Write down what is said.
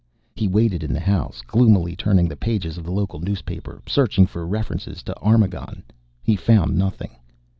He waited in the house, gloomily turning the pages of the local newspaper, searching for references to Armagon. He found nothing.